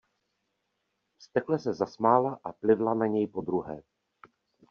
Vztekle se zasmála a plivla na něj po druhé.